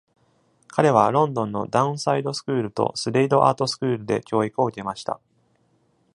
彼はロンドンのダウンサイドスクールとスレイドアートスクールで教育を受けました。